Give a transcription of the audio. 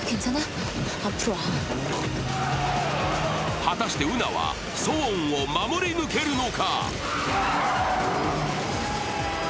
果たしてウナはソウォンを守り抜けるのか。